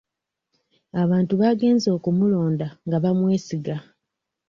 Abantu baagenze okumulonda nga bamwesiga.